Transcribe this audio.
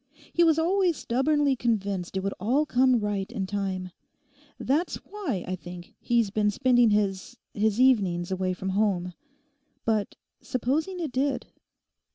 He was always stubbornly convinced it would all come right in time. That's why, I think, he's been spending his—his evenings away from home. But supposing it did?